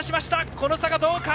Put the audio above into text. この差がどうか。